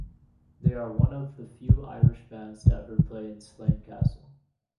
They are one of the few Irish bands to ever play in Slane Castle.